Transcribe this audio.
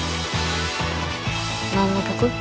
何の曲？